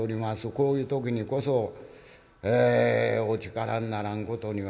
こういう時にこそお力にならんことには。